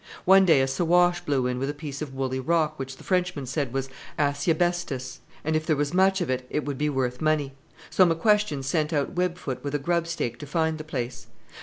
One day a Siwash blew in with a piece of woolly rock which the Frenchman said was 'Asiebestos,' and, if there was much of it, it would be worth money; so McQuestion sent out Web foot with a grub stake to find the place.